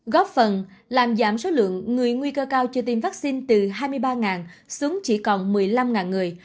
góp phần làm giảm số lượng người nguy cơ cao chưa tiêm vaccine từ hai mươi ba xuống chỉ còn một mươi năm người